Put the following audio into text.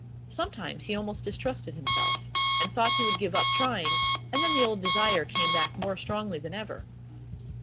Sometimes he almost distrusted himself, and thought he would give up trying, and then the old desire came back more strongly than ever.